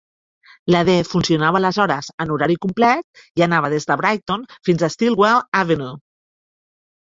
La D funcionava aleshores en horari complet i anava des de Brighton fins a Stillwell Avenue.